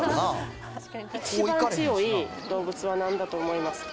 一番強い動物はなんだと思いますか。